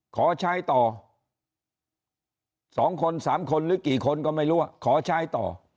ขอใช้ต่อ๒คน๓คนหรือกี่คนก็ไม่รู้ขอใช้ต่อ